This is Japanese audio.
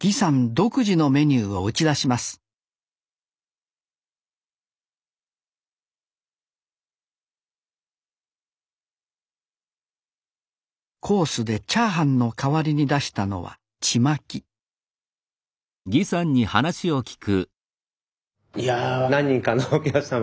独自のメニューを打ち出しますコースでチャーハンの代わりに出したのはちまきいやあ何人かのお客様からは「え？こっちの方に行かないよね？」